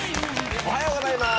おはようございます！